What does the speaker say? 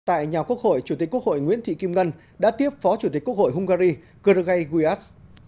tại nhà quốc hội chủ tịch quốc hội nguyễn thị kim ngân đã tiếp phó chủ tịch quốc hội hungary kurgei guis